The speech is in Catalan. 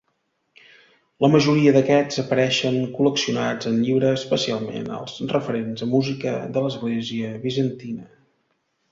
La majoria d'aquests apareixen col·leccionats en llibre, especialment els referents a música de l'església bizantina.